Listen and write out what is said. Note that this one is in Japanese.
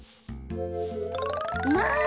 まあ！